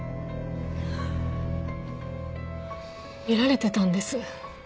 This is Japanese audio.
見られてたんです。